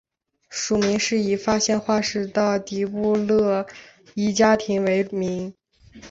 属名是以发现化石的迪布勒伊家庭为名。